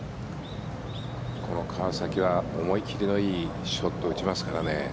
この川崎は思い切りのいいショットを打ちますからね。